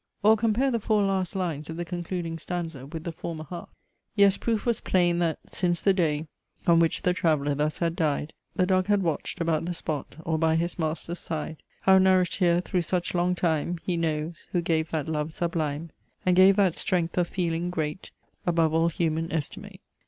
Or compare the four last lines of the concluding stanza with the former half. "Yes, proof was plain that, since the day On which the Traveller thus had died, The Dog had watched about the spot, Or by his Master's side: How nourish'd here through such long time He knows, who gave that love sublime, And gave that strength of feeling, great Above all human estimate!"